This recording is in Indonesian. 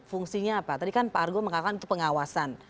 fungsinya apa tadi kan pak argo mengatakan itu pengawasan